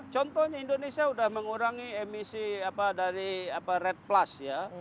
sekarang nih saya sudah mengurangi emisi dari red plus ya